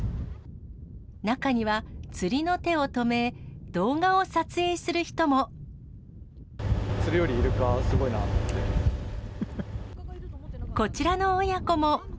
中には、釣りの手を止め、釣りよりイルカ、すごいなとこちらの親子も。